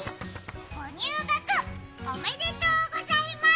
おめでとうございます。